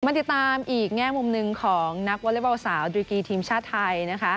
มาติดตามอีกแง่มมหนึ่งของนักวอเทบาลสาวดรีกรีฯทีมชาติไทย